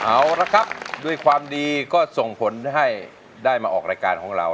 เอาละครับด้วยความดีก็ส่งผลให้ได้มาออกรายการของเรา